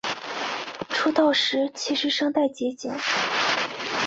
出道时其实声带结茧。